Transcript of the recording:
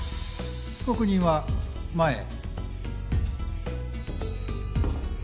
被告人は前へ。